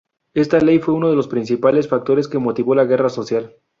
Esta ley fue uno de los principales factores que motivó la guerra social.